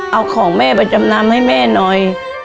เอาของแม่ไปจำนำให้แม่หน่อย